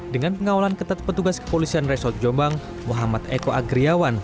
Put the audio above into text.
dengan pengawalan ketat petugas kepolisian resort jombang muhammad eko agriawan